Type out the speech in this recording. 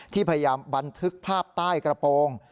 พยายามบันทึกภาพใต้กระโปรง